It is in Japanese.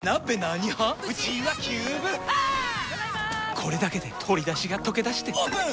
これだけで鶏だしがとけだしてオープン！